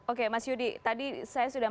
oke mas yudi tadi saya sudah